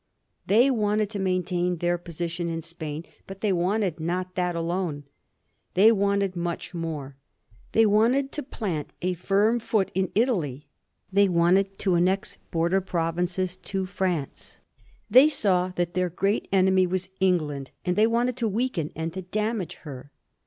They wanted to maintain their posi . tion in Spain; but they wanted not that alone. They wanted much more. They wanted to plant a firm foot in Italy; they wanted to annex border provinces to France; they saw that their great enemy was England, and they wanted to weaken and to damage her.